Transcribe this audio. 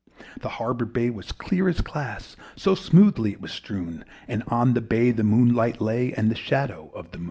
The harbour bay was clear as glass, So smoothly it was strewn! And on the bay the moonlight lay, And the shadow of the moon.